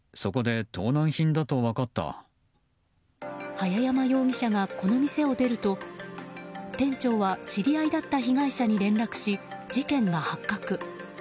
早山容疑者がこの店を出ると店長は知り合いだった被害者に連絡し、事件が発覚。